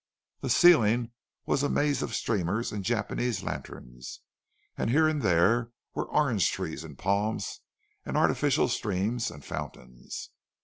The ceiling was a maze of streamers and Japanese lanterns, and here and there were orange trees and palms and artificial streams and fountains.